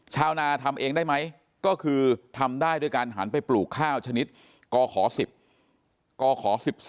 ชาวนาทำเองได้ไหมก็คือทำได้ด้วยการหันไปปลูกข้าวชนิดกข๑๐กข๑๔